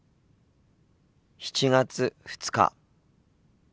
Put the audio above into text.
７月２日。